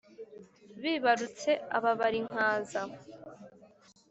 bibarutse aba bali nkaza